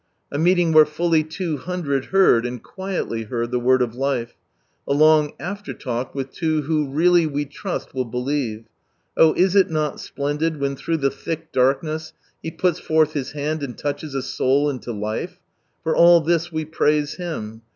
A meeting where fully two hundred heard, and quietly heard, the Word of Life — a long after talk with two who really we trust will believe — oh is it not splendid when through the thick darkness He puis forth His hand and touches a soul into life ! For all this we praise Him.